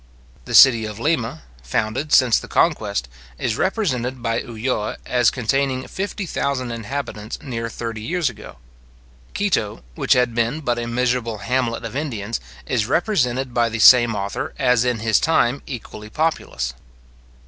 The city of Lima, founded since the conquest, is represented by Ulloa as containing fifty thousand inhabitants near thirty years ago. Quito, which had been but a miserable hamlet of Indians, is represented by the same author as in his time equally populous.